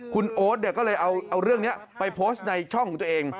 คุณโอ๊ตก็เลยเอาเรื่องนี้ไปโพสต์ในช่องของตัวเอง